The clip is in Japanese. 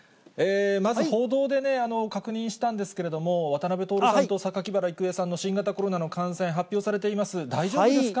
まず、報道でね、確認したんですけれども、渡辺徹さんと、榊原郁恵さんの新型コロナの感染が発表されています。